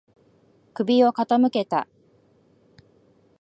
首を傾けた。